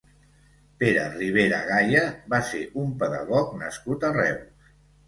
Pere Ribera Gaya va ser un pedagog nascut a Reus.